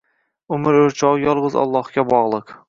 Umr o’lchovi yolg’iz Ollohga bog'liq.